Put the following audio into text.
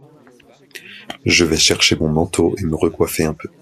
Je vais chercher mon manteau et me recoiffer un peu.